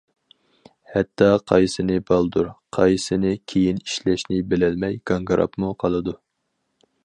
ھەتتا قايسىنى بالدۇر، قايسىنى كىيىن ئىشلەشنى بىلەلمەي گاڭگىراپمۇ قالىدۇ.